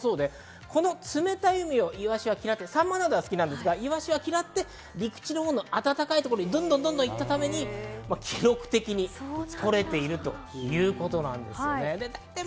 この冷たい海をイワシは嫌って、サンマなどは好きですが嫌って陸地のほうの暖かいところへ行ったために記録的に獲れているということです。